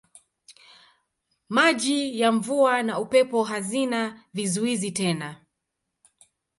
Maji ya mvua na upepo hazina vizuizi tena.